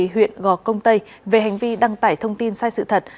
huyện gò công tây về hành vi đăng tải thông tin sai sự thật